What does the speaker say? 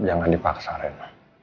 jangan dipaksa ren